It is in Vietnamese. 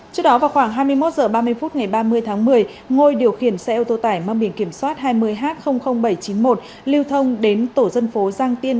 trước đó vào khoảng hai mươi một h ba mươi phút ngày ba mươi tháng một mươi ngôi điều khiển xe ô tô tải mang biển kiểm soát hai mươi h bảy trăm chín mươi một lưu thông đến tổ dân phố giang tiên